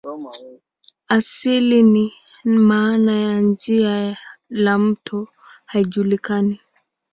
Asili na maana ya jina la mto haijulikani.